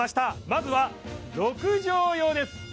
まずは６畳用です